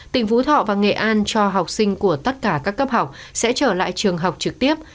tỉnh phú thọ và nghệ an cho học sinh của tất cả các cấp học sẽ trở lại trường học trực tiếp